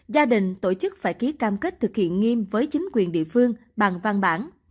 gia đình tổ chức phải ký cam kết thực hiện nghiêm với chính quyền địa phương bằng văn bản